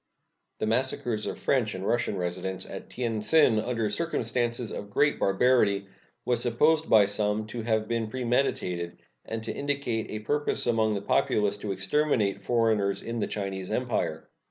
The massacres of French and Russian residents at Tien Tsin, under circumstances of great barbarity, was supposed by some to have been premeditated, and to indicate a purpose among the populace to exterminate foreigners in the Chinese Empire.